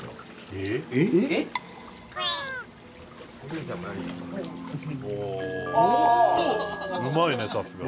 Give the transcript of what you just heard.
え⁉うまいねさすが。